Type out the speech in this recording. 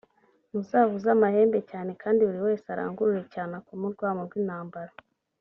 muzavuze amahembe cyane kandi buri wese arangurure cyane akome urwamu rw intambara